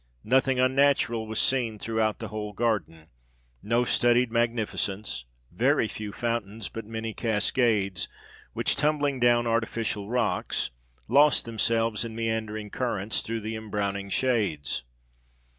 Nothing unnatural was seen throughout the whole garden : no studied magnificence : very few fountains, but many cascades, which tumbling down artificial rocks, lost themselves in meandering currents, through the embrowning shades.